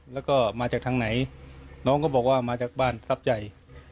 แล้วก็มาจากทางไหนน้องก็บอกว่ามาจากบ้านทรัพย์ใหญ่